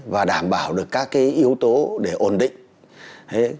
và đảm bảo được các yếu tố để ổn định